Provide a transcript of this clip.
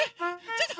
ちょっと！